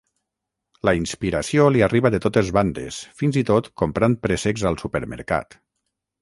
La inspiració li arriba de totes bandes, fins i tot comprant préssecs al supermercat.